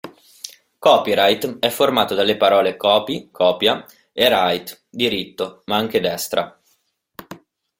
Copyright è formato dalle parole "copy" (copia) e "right" (diritto, ma anche destra).